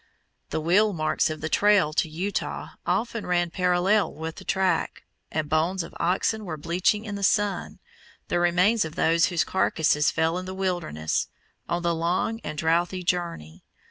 The wheel marks of the trail to Utah often ran parallel with the track, and bones of oxen were bleaching in the sun, the remains of those "whose carcasses fell in the wilderness" on the long and drouthy journey.